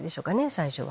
最初は。